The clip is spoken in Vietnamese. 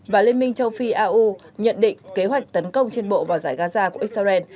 và liên minh châu phi au nhận định kế hoạch tấn công trên bộ vào giải gaza của israel